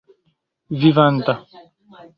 vivanta